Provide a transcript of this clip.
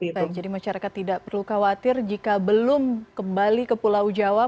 baik jadi masyarakat tidak perlu khawatir jika belum kembali ke pulau jawa